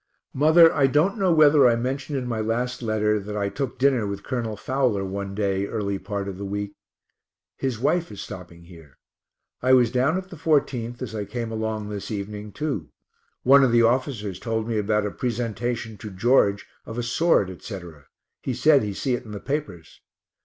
Mother, I don't know whether I mentioned in my last letter that I took dinner with Col. Fowler one day early part of the week. His wife is stopping here. I was down at the 14th as I came along this evening, too one of the officers told me about a presentation to George of a sword, etc. he said he see it in the papers.